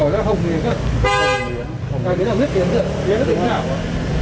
cái yến là huyết yến kìa yến nó đỉnh đảo á